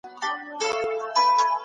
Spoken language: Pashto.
تاسو د انار د اوبو په څښلو بوخت یاست.